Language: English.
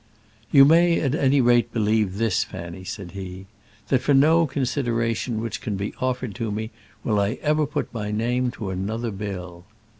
"You may, at any rate, believe this, Fanny," said he, "that for no consideration which can be offered to me will I ever put my name to another bill."